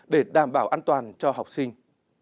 để đảm bảo an toàn cho học sinh